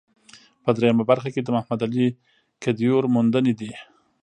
په درېیمه برخه کې د محمد علي کدیور موندنې دي.